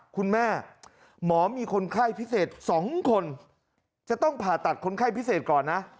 คุณหมอมีคนไข้พิเศษ๒คนจะต้องผ่าตัดคนไข้พิเศษก่อนนะ